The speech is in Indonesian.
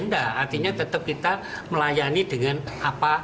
tidak artinya tetap kita melayani dengan apa